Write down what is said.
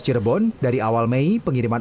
cirebon dari awal mei pengiriman